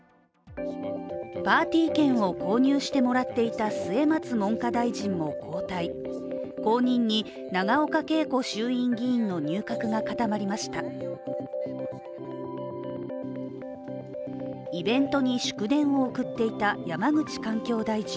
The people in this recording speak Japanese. パーティー券を購入してもらっていた末松文科大臣も交代、後任に永岡桂子衆院議員の入閣が固まりましたイベントに祝電を送っていた山口環境大臣。